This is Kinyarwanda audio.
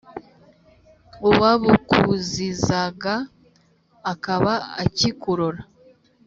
Uwabukuzizaga akaba akikurora.